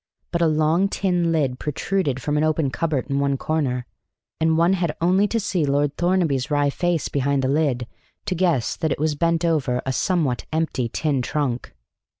But a long tin lid protruded from an open cupboard in one corner. And one had only to see Lord Thornaby's wry face behind the lid to guess that it was bent over a somewhat empty tin trunk.